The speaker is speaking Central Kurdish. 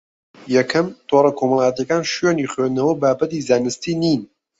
یەکەم: تۆڕە کۆمەڵایەتییەکان شوێنی خوێندنەوە و بابەتی زانستی نین